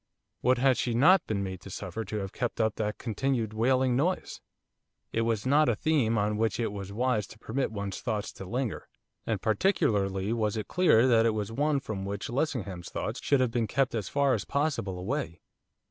What had she not been made to suffer to have kept up that continued 'wailing noise'? It was not a theme on which it was wise to permit one's thoughts to linger, and particularly was it clear that it was one from which Lessingham's thoughts should have been kept as far as possible away.